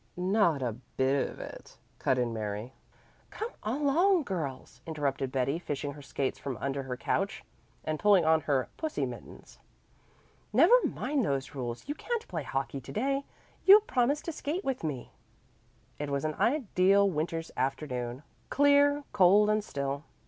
"Not a bit of it," cut in Mary. "Come along, girls," interrupted Betty, fishing her skates from under her couch, and pulling on her "pussy" mittens. "Never mind those rules. You can't play hockey to day. You promised to skate with me." It was an ideal winter's afternoon, clear, cold and still.